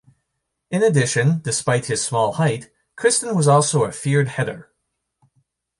In addition, despite his small height, Kirsten was also a feared header.